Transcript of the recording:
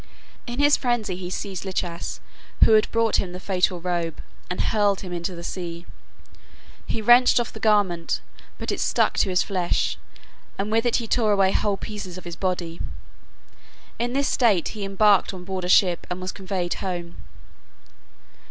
In his frenzy he seized Lichas, who had brought him the fatal robe, and hurled him into the sea. He wrenched off the garment, but it stuck to his flesh, and with it he tore away whole pieces of his body. In this state he embarked on board a ship and was conveyed home.